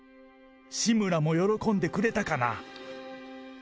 志村も喜んでくれたかな。